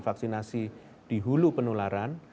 vaksinasi di hulu penularan